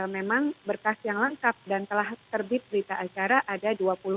memang berkas yang lengkap dan telah terbit berita acara ada dua puluh lima